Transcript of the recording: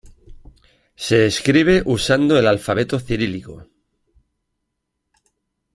Se escribe usando el alfabeto cirílico.